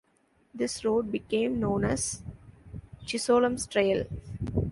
This road became known as Chisholm's Trail.